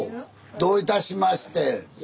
どういたしまして。